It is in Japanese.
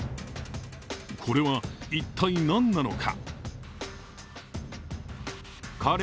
これは一体何なのか？